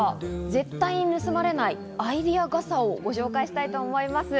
絶対に盗まれないアイデア傘をご紹介したいと思います。